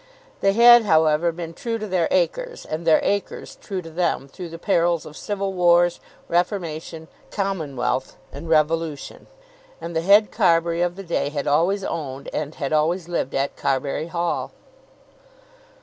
They had, however, been true to their acres and their acres true to them through the perils of civil wars, Reformation, Commonwealth, and Revolution, and the head Carbury of the day had always owned, and had always lived at, Carbury Hall.